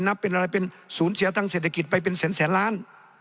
นับเป็นอะไรเป็นศูนย์เสียทางเศรษฐกิจไปเป็นแสนล้าน